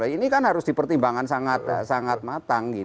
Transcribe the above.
ini kan harus dipertimbangkan sangat matang